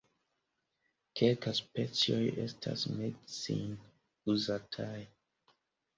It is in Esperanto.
Kelka specioj estas medicine uzataj.